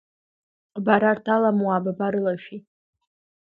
Бара арҭ аламуаа бабарылашәеи?